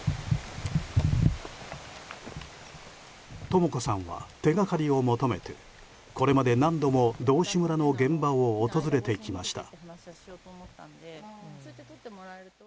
とも子さんは手掛かりを求めてこれまで何度も道志村の現場を訪れてきました。